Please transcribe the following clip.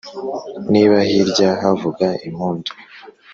Niba hirya havuga impundu,